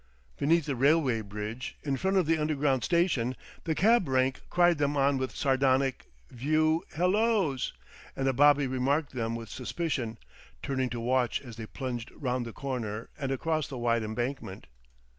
Beneath the railway bridge, in front of the Underground station, the cab rank cried them on with sardonic view halloos; and a bobby remarked them with suspicion, turning to watch as they plunged round the corner and across the wide Embankment.